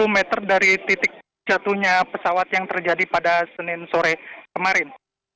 sepuluh meter dari titik jatuhnya pesawat yang terjadi pada senin sore kemarin